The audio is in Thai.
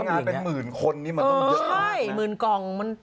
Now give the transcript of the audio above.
โรงงานเป็นหมื่นคนมันต้องเยอะมากน่ะ